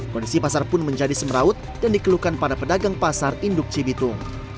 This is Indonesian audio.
kondisi pasar pun menjadi semeraut dan dikeluhkan pada pedagang pasar induk cibitung